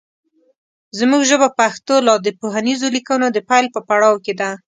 زمونږ ژبه پښتو لا د پوهنیزو لیکنو د پیل په پړاو کې ده